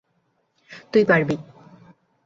তুই পারবি!